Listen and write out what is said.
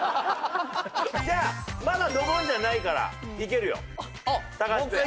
じゃあまだドボンじゃないからいけるよ高橋ペア。